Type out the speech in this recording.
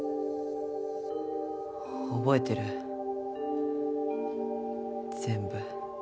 覚えてる全部。